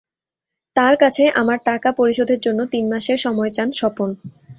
তাঁদের কাছে আমার টাকা পরিশোধের জন্য তিন মাসের সময় চান স্বপন।